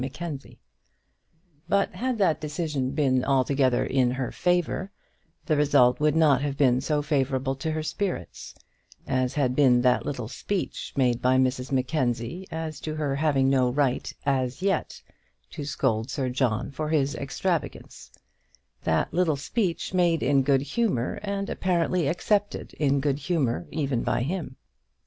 _ Mackenzie. But had that decision been altogether in her favour the result would not have been so favourable to her spirits, as had been that little speech made by Mrs Mackenzie as to her having no right as yet to scold Sir John for his extravagance, that little speech made in good humour, and apparently accepted in good humour even by him.